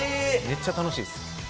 めっちゃ楽しいです。